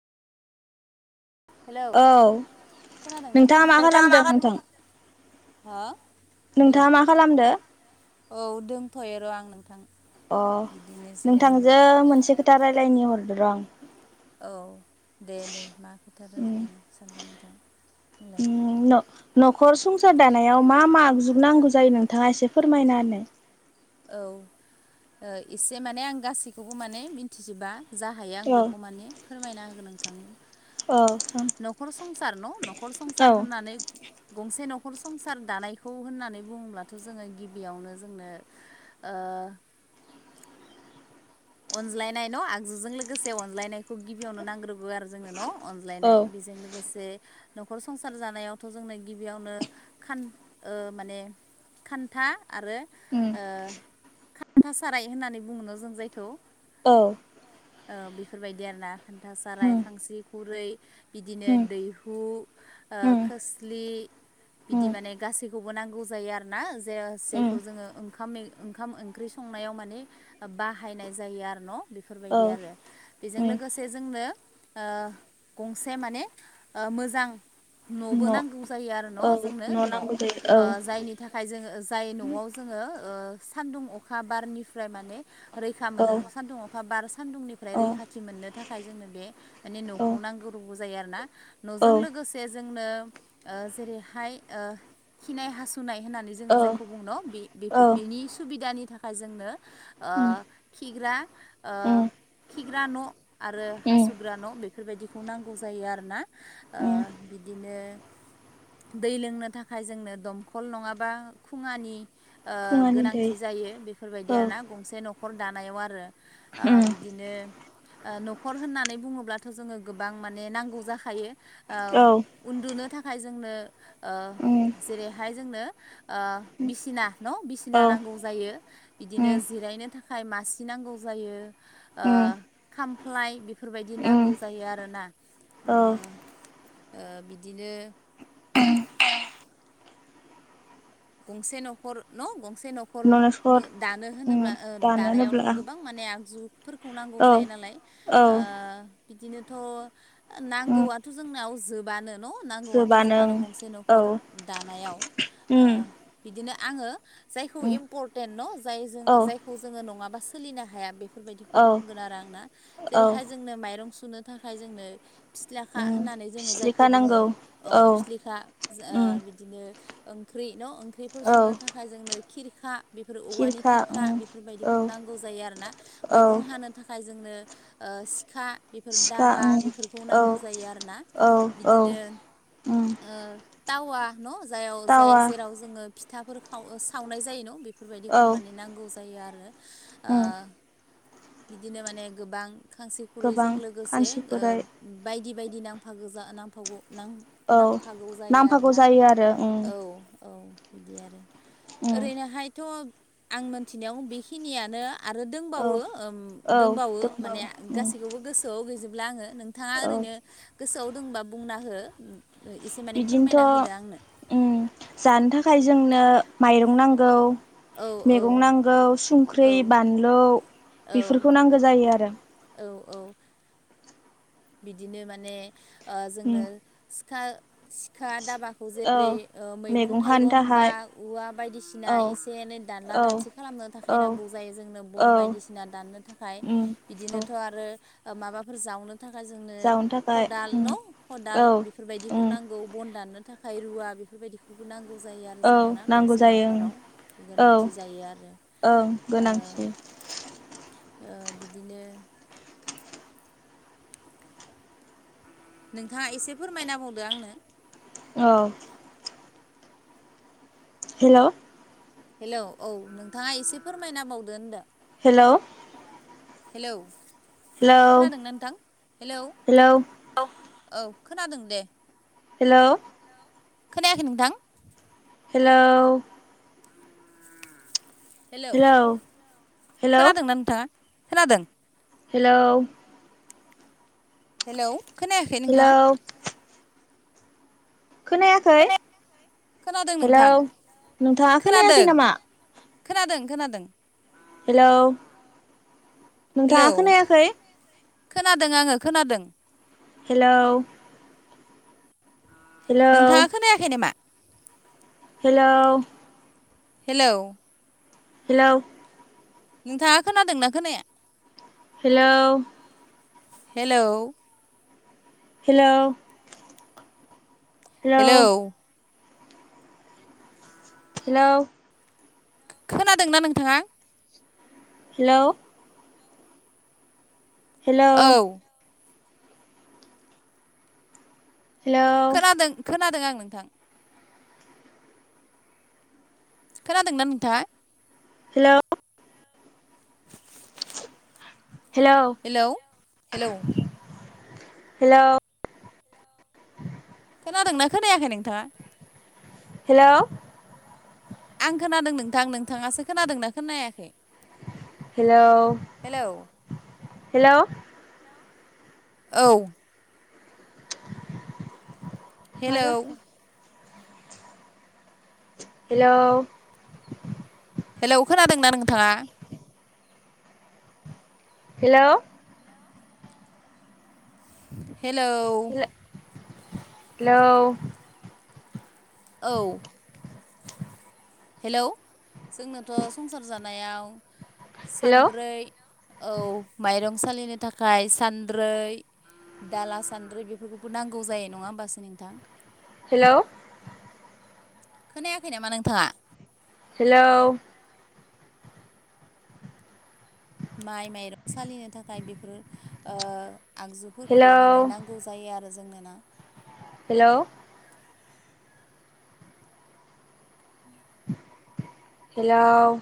Hello औ खोनादोंना नोंथाङा? मा नोंथाङा खालामदों मा नोंथां हो हेलौ नोंथाङा मा खालामदो औ दोंथ'यो र' आं नोंथां। अ बिदिनो जिरायनानै नोंथांजो मोनसे खोथा राय्लायनि हरद र आं औ दे दे मा खोथा रायज्लायनो सानदों नोंथाङा। बुंलाय उम न-न'खर संसार दानायाव मा मा आजु नांगौ जायो नोंथाङा एसे फोरमायना होनाय औ ओ एसे माने आं गासैखौबो माने मिथिजोबा जा हायो आं औ बेखौ माने फोरमायना होगोन नोंथांनो औ न'खर संसार न' न'खर संसार औ होननानै गंसे न' खर संसार दानायखौ होननानै बुङोबथ' जोङो गिबियावनो जोङो ओ अनज्लायनाय न' आगजुजों लोगोसे अनज्लायनायखौ गिबियावनो नांग्रोगौ आरो जोंनो न' अनज्लायनाय औ बेजों लोगोसे न'खर संसार जानायावथ' जोंनो गिबियावनो खान ओ माने खान्था आरो उम ओ खान्था साराय होननानै बुङोनो जों जायखौ औ ओ बेफोरबायदि आरो ना खान्था, साराय, उम खांसि, खु खुरै बिदिनो उम दैहु, उम खोस्लि उम बिदि माने गासैखौबो नांगौ जायो आरो ना जे जेखौ उम जोङो ओंखाम ओंखाम ओंख्रि सं संनायाव माने बाहायनाय जायो आरो न' औ बेफोरबायदि आरो बेजों उम लोगोसे जोंनो ओ गंसे माने ओ मोजां न'बो न' नांगौ जायो आरो औ न' जोंनो न' नांगौ जायो औ जायनि थाखाय जोङो जाय न'वाव जोङो सान्दुं अखा बारनिफ्राय माने रैखा औ मोनो सान्दुं अ खा बार सान्दुंनिफ्राय औ रैखाथि मोननो थाखाय जोंनो बे माने औ न'खौ नांगोरगौ जायो आरो ना औ न'जों लोगोसे जोंनो जेरैहाय ओ खिनाय हासुनाय होननानै जोङो औ जायखौ बुंनोनो औ बेनि सुबिदानि थाखाय जोंनो ओ उम खिग्रा ओ उम खिग्रा न' आरो उम हासुग्रा न' बेफोरबायदिखौ नांगौ जायो आरो ना उम ओ बिदिनो दै लोंनो थाखाय जोंनो दंखल नङाबा खुङानि ओ खुङानि दै गोनांथि जायो बेफोरबायदि औ आरोना गंसे न'खर दानायाव आरो ओ उम बिदिनो ओ न'खर होननानै बुङोब्लाथ' जोङो गोबां माने नांगौ जाखायो औ उन्दुनो था खाहाय जोंनो ओ उम जेरैहाय जोंनो ओ बिसिना न' बिसिना औ नांगौ जायो उम बिदिनो जिरायनो था खाय मासि नांगौ जायो ओ उम खामफ्लाय बेफोरबायदि उम नांगौ जायो आरोना औ उम ओ बिदिनो गंसे न'खर न' गं से न'खर नलेस्वर दानो उम होनोब्ला ओ दानोब्ला दानायावथ' गोबां माने आगजु फोरखौ नांगौ औ जायो नालाय ओ औ बिदिनोथ' उम नांगौआथ' जोंनाव जोबानो न' नांगौआथ' जोबा नों जोबानो गंसे औ न'खर दानायाव ओ उम बिदिनो आङो जायखौ उम इम्परटेन्ट न' जाय औ जायखौ जोङो नङाबा सोलिनो हाया बे फोरबायदिखौ औ बुंगोन आरो आंना औ जेरैहाय जोंनो माइरं सुनो थाखाय जोंनो फिस्लाखा उम होननानै जोङो जायखौ फिस्लिखा बुङो नांगौ अ औ फिसलिखा ओ उम बिदिनो ओंख्रि न' ओंख्रिफोर औ सुनो थाखाय जोंनो खिरखा बेफोर औवानि खिरखा औ बेफोरबायदिखौ नांगौ जायो आरो ना औ मैगं हानो थाखाय जोंनो ओ सि खा बेफोर सिखा दाबा उम बेफोरखौ औ नांगौ जायो आरोना औ औ बिदिनो उम ओ टावा न' जायाव जाय टावा जेराव जोङो फिथाफोर सावनाय जायो न' बे फोरबायदिखौ औ माने नांगौ जायो आरो उम ओ बिदिनो माने गोबां खांसि गोबां खुरैजों लोगोसे ओ खानसिखुरै बायदि बायदि नांफागो जा नांफागौ नां औ नांफागौ जायो नांफागौ आरोना जायो आरो उम औ औ बिदि आरो उम ओरैनोहायथ' आं मोनथिनायाव बेखिनियानो आरो औ दंबावो ओम औ दंबावो माने उम गासैखौबो गोसोआव गैजोबला आङो नोंथाङा औ ओरैनो गोसोआव बुंबा बुंना हो एसे माने फोरमायना होदो आंनो बिदिनोथ' ओम जानो थाखाय जोंनो माइरं नांगौ औ मैगं नांगौ संख्रि औ बानलु औ बेफोरखौ नांगौ जायो आरो। औ औ। बिदिनो माने ओ उम जोंनो सिखा सिखा धाबाखौ औ जेरै मैगं हानो थाइगं बा थाखाय औवा बायदिसिना औ एसे दानला औ दानसि खालामनो थाखाय औ नांगौ जायो जोंनो बन औ बायदिसिना दाननो थाखाय उम औ इदिनोथ' आरो माबाफोर जावनो थाखाय जोंनो जावनो थाखाय खदाल उम न' खदाल औ बेफोरबायदिखौ उम नांगौ बन दाननो थाखाय रुवा बेफोरबायदिखौबो नांगौ नांगौ जायो आरो औ जोंनोना नांगौ गंसे जायो न'खराव ओं गोनांथि जायो आरो ओं ओ गोनांथि। ओ बिदिनो नोंथाङा एसे फोरमायनाबावदो आंनो। औ। हेलौ हेलौ औ नोंथाङा एसे फोरमायना बावदो होनदो। हेलौ हेलौ हेलौ खोनादोंना नोंथां? हेलौ औ खोनादों दे। हेलौ खोनायाखै नोंथां? हेलौ हेलौ हेलौ खोनादोंना नोंथाङा खोनादों? हेलौ हेलौ खोनायाखै नोंथाङा हेलौ खोनायाखै खोनादों हेलौ नोंथां नोंथाङा खोनादों खोनायाखै नामा खोनादों खोनादों हेलौ हेलौ नोंथाङा खोनायाखै खोनादों आङो खोनादों हेलौ हेलौ नोंथाङा खोनायाखै नामा हेलौ हेलौ हेलौ नोंथाङा खोनादोंना खोनाया hello hello hello hello hello खोनादोंना नोंथाङा हेलौ हेलौ औ हेलौ खोनादों खोनादों आं नोंथां खोनादोंना नोंथाङा हेलौ हेलौ हेलौ हेलौ [inaudible] खोनादोंना खोनायाखै नोंथाङा हेलौ आं खोनादों नोंथां नोंथाङासो खोनादोंना खोनायाखै हेलौ हेलौ हेलौ औ मा हेलौ जाखो हेलौ हेलौ खोनादोंना नोंथाङा हेलौ हेलौ हेलौ औ हेलौ जोंनोथ' संसार जानायाव हेल' सानद्रै औ माइरं सालिनो थाखाय सानद्रै दाला सान्द्रि बेफोरखौबो नांगौ जायो नङा होमबासो नोंथां हेलौ खोनायाखै नामा नोंथाङा हेलौ माइ माइरं सालिनो थाखाय बेफोर ओ हेल' आगजुफोरखौबो माने नांगौ जायो आरो जोंनोना हेलौ हेलौ